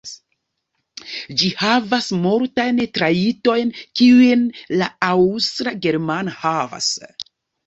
Ĝi havas multajn trajtojn, kiujn la Aŭstra-germana havas.